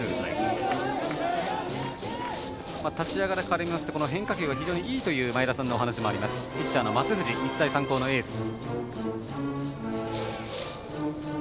立ち上がり変わりまして変化球が非常にいいという前田さんからのお話もあるピッチャーの松藤日大三高のエース。